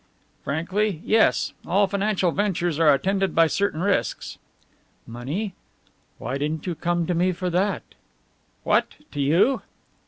"Frankly, yes! All financial ventures are attended by certain risks." "Money? Why didn't you come to me for that?" "What! To you?"